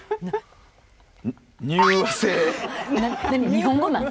日本語なん？